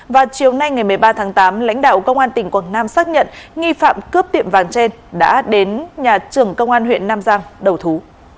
vào chiều nay ngày một mươi ba tháng tám lãnh đạo công an tỉnh quảng nam xác nhận nghi phạm cướp tiệm vàng trên đã đến nhà trưởng công an huyện nam giang đầu thú